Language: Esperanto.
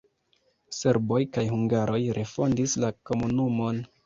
Serboj kaj hungaroj refondis la komunumon.